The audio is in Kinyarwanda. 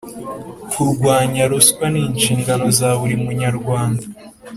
kurwanya ruswa ni inshingano za buri munyarwanda